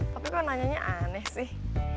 tapi kok nanyanya aneh sih